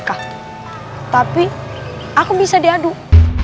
aku bisa diaduk